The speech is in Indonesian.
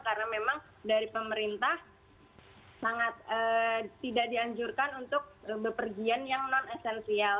karena memang dari pemerintah sangat tidak dianjurkan untuk bepergian yang non esensial